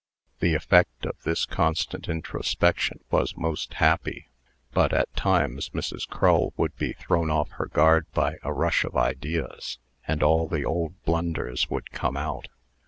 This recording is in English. The effect of this constant introspection was most happy; but, at times, Mrs. Crull would be thrown off her guard by a rush of ideas, and all the old blunders would come out.